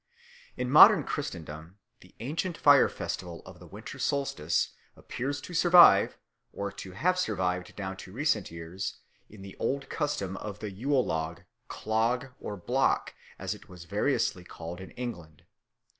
In modern Christendom the ancient fire festival of the winter solstice appears to survive, or to have survived down to recent years, in the old custom of the Yule log, clog, or block, as it was variously called in England.